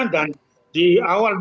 dan di awal dua ribu dua puluh tiga